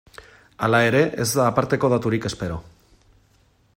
Hala ere, ez da aparteko daturik espero.